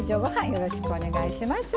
よろしくお願いします。